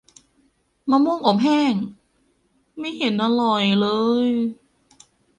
มะม่วงอบแห้ง ไม่เห็นอร่อยเลย